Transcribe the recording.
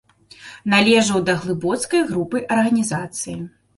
Належаў да глыбоцкай групы арганізацыі.